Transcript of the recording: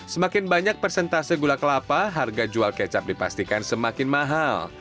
semakin banyak persentase gula kelapa harga jual kecap dipastikan semakin mahal